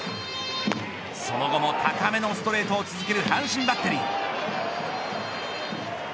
その後も高めのストレートを続ける阪神バッテリー。